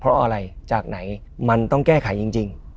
เพราะอะไรจากไหนมันต้องแก้ไขจริง